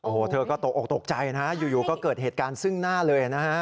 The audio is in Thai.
โอ้โหเธอก็ตกออกตกใจนะฮะอยู่ก็เกิดเหตุการณ์ซึ่งหน้าเลยนะฮะ